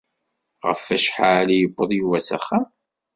Ɣef wacḥal i yewweḍ Yuba s axxam?